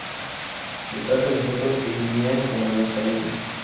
Detrás de nosotros venían con las camillas.